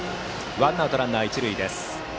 ワンアウトランナー、一塁です。